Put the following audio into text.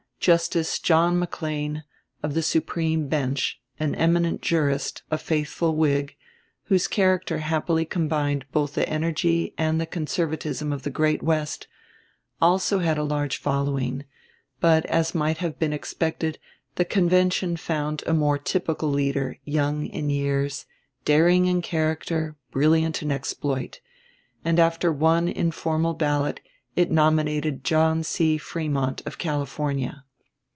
Justice John McLean, of the Supreme Bench, an eminent jurist, a faithful Whig, whose character happily combined both the energy and the conservatism of the great West, also had a large following; but as might have been expected, the convention found a more typical leader, young in years, daring in character, brilliant in exploit; and after one informal ballot it nominated John C. Frémont, of California.